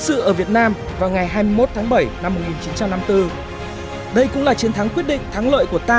sự ở việt nam vào ngày hai mươi một tháng bảy năm một nghìn chín trăm năm mươi bốn đây cũng là chiến thắng quyết định thắng lợi của ta